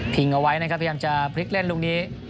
เอาไว้นะครับพยายามจะพลิกเล่นลูกนี้